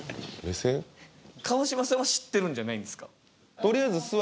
川島さんは知ってるんじゃないんですか？